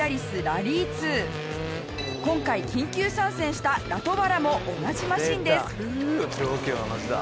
今回緊急参戦したラトバラも同じマシンです。